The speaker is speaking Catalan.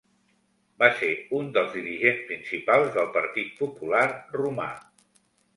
Va ser un dels dirigents principals del partit popular romà.